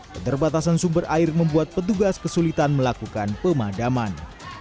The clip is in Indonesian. keterbatasan sumber air membuat petugas kesulitan melakukan pemadaman